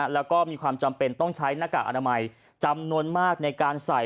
แล้วก็มีความจำเป็นต้องใช้หน้ากากอนามัยจำนวนมากในการใส่